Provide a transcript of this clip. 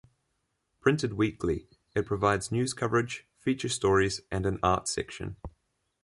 Printed weekly, it provides news coverage, feature stories, and an art section.